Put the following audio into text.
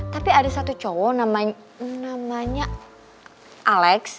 tapi ada satu cowok namanya alex